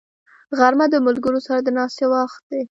غرمه د ملګرو سره د ناستې وخت دی